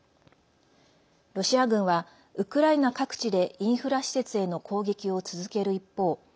ロシア軍は、ウクライナ各地でインフラ施設への攻撃を続ける一方